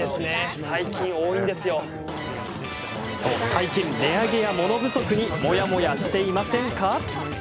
最近、値上げや物不足にモヤモヤしていませんか？